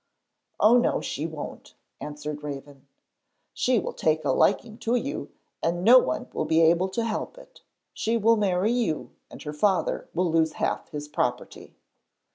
'Oh no, she won't,' answered Raven, 'she will take a liking to you and no one will be able to help it. She will marry you, and her father will lose half his property.'